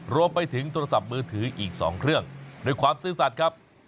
รวมไปถึงโทรศัพท์มือถืออีก๒เครื่องโดยความซื่อสัตว์ครับ